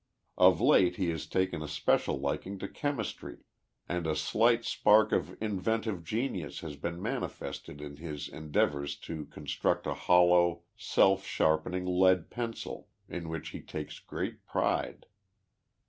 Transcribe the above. Of late, he has taken a special liking to chemistry, and a slight spark of inventive genius has been manifested in his endeavors to con struct a hollow self sharpening lead pencil, in which he takes great pride.